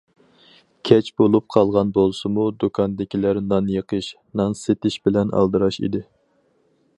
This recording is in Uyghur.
كەچ بولۇپ قالغان بولسىمۇ، دۇكاندىكىلەر نان يېقىش، نان سېتىش بىلەن ئالدىراش ئىدى.